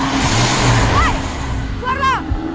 di luar sana